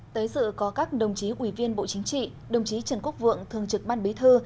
tới dự có các đồng chí ủy viên bộ chính trị đồng chí trần quốc vượng thường trực ban bí thư